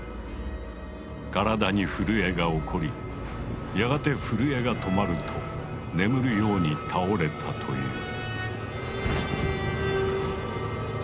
体に震えが起こりやがて震えが止まると眠るように倒れたという。